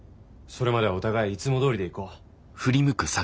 それまではお互いいつもどおりでいこう。